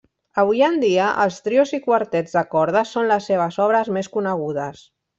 Avui en dia, els trios i quartets de corda són les seves obres més conegudes.